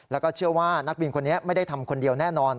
แล้วก็เชื่อว่านักบินคนนี้ไม่ได้ทำคนเดียวแน่นอน